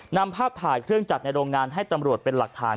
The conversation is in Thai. นำภาพถ่ายเครื่องจัดในโรงงานให้ตำรวจเป็นหลักฐาน